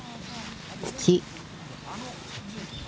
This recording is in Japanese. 土。